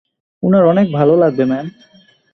উনার অনেক ভালো লাগবে, ম্যাম।